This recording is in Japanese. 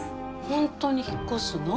本当に引っ越すの？